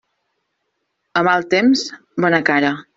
A mal temps, bona cara.